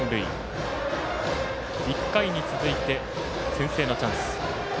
１回に続いて、先制のチャンス。